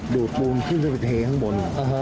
ดูดบูมขึ้นแล้วไปเทข้างบน